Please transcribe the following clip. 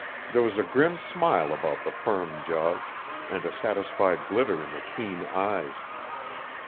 There was a grim smile about the firm jaws, and a satisfied glitter in the keen eyes.